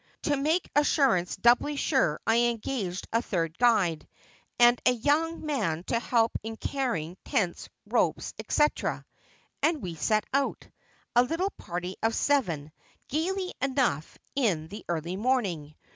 To make assurance doubly sure I engaged a third guide, and a young man to help in carrying tents, ropes, etc., and we set out, a little party of seven, gaily enough, in the early morning.